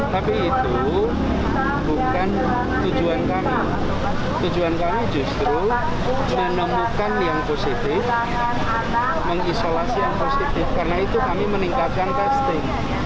tapi itu bukan tujuan kami tujuan kami justru menemukan yang positif mengisolasi yang positif karena itu kami meningkatkan testing